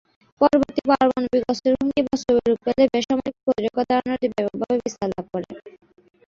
পরবর্তীতে পারমাণবিক অস্ত্রের হুমকি বাস্তবে রূপ পেলে বেসামরিক প্রতিরক্ষার ধারণাটি ব্যাপকভাবে বিস্তার লাভ করে।